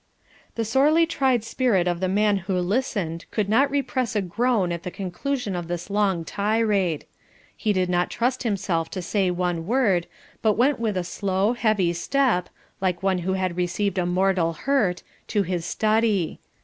The sorely tried spirit of the man who listened could not repress a groan at the conclusion of this long tirade. He did not trust himself to say one word, but went with a slow, heavy step, like one who had received a mortal hurt, to his study.